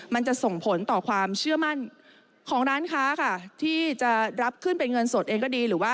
มันจะส่งผลต่อความเชื่อมั่นของร้านค้าค่ะที่จะรับขึ้นเป็นเงินสดเองก็ดีหรือว่า